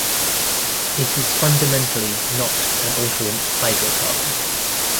It is fundamentally not an alternant hydrocarbon.